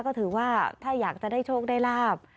ก็ถือว่าถ้าอยากจะได้โชคได้ลาบ